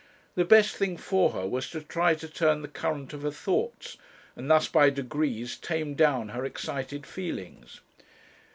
The best thing for her was to try to turn the current of her thoughts, and thus by degrees tame down her excited feelings.